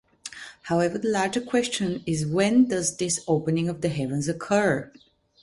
However the larger question is when does this opening of the heavens occur?